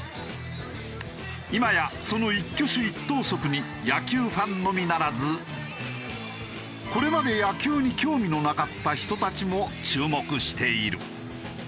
今やその一挙手一投足に野球ファンのみならずこれまで野球に興味のなかった人たちも注目している。